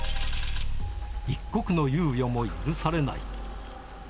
一刻の猶予も許されない。